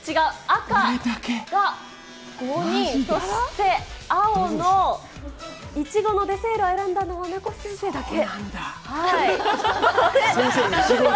赤が５人、そして青のいちごのデセールを選んだのは、名越先生だけ。